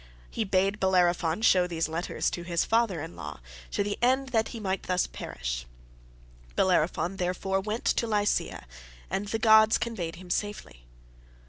He bade Bellerophon show these letters to his father in law, to the end that he might thus perish; Bellerophon therefore went to Lycia, and the gods convoyed him safely.